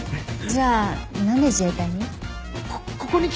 じゃあ何で自衛隊に？